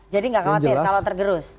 jadi gak khawatir kalau tergerus